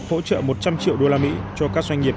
hỗ trợ một trăm linh triệu usd cho các doanh nghiệp